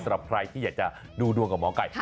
สำหรับใครที่อยากจะดูดวงกับหมอไก่